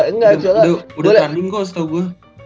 udah tanding kok setau gue